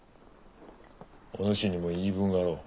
お主にも言い分があろう。